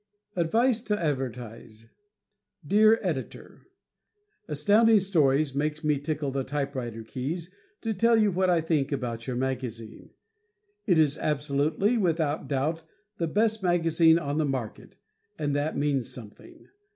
Advice to Advertise Dear Editor: Astounding Stories makes me tickle the typewriter keys to tell you what I think about your magazine. Is it absolutely without a doubt the best magazine on the market, and that means something.